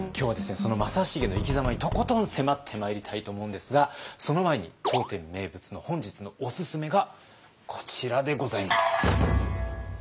その正成の生きざまにとことん迫ってまいりたいと思うんですがその前に当店名物の本日のおすすめがこちらでございます。